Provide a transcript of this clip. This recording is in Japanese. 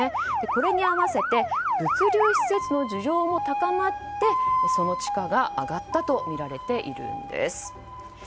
これに合わせて物流施設の需要も高まってその地価が上がったとみられているんです。